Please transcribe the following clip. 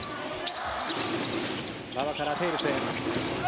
馬場からテーブスへ。